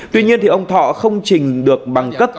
tuy nhiên ông thọ không trình được bằng cấp